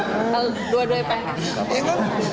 kalau dua dua pns